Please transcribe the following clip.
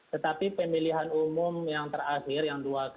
tetapi pemilihan umum yang terakhir yang dua